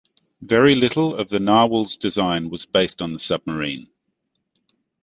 Very little of the "Narwhal"s design was based on the submarine.